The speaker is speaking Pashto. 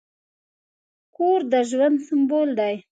کور د ژوند سمبول دی.